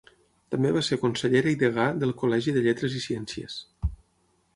També va ser consellera i degà del Col·legi de Lletres i Ciències.